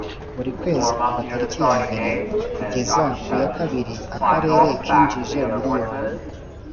buri kwezi kuva tariki ya mbere kugeza ku ya kabiri akarere kinjije miliyoni